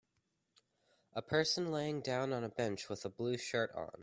A person laying down on a bench with a blue shirt on.